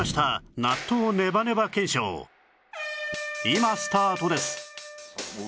今スタートです